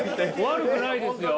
悪くないですよ。